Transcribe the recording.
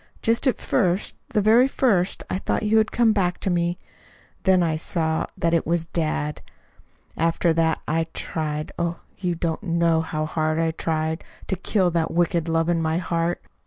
Just at first, the very first, I thought you had come back to me. Then I saw that it was dad. After that I tried oh, you don't know how hard I tried to kill that wicked love in my heart.